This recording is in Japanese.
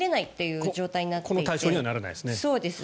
この対象にはならないですね。